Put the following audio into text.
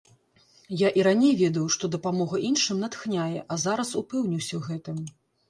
Я і раней ведаў, што дапамога іншым натхняе, а зараз упэўніўся ў гэтым.